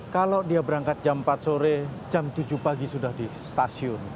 kalau dia berangkat jam empat sore jam tujuh pagi sudah di stasiun